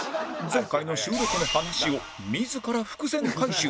前回の収録の話を自ら伏線回収